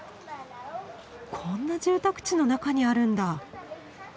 こんな住宅地の中にあるんだ。